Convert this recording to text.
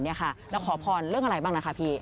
ขอพรเรื่องอะไรบ้างนะคะพี่